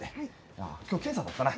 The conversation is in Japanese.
ああ今日検査だったな。